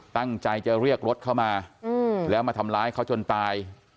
ตั้งใจจะเรียกรถเข้ามาแล้วมาทำร้ายเขาจนตาย